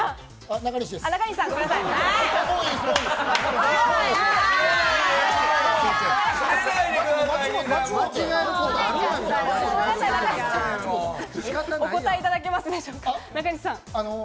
中西さん、お答えいただけますでしょうか？